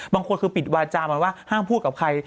บางคนคือปิดวาจามาว่าห้ามพูดกับใคร